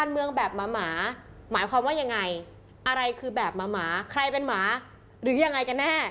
แม่นหมาหรือยังไงกันแน่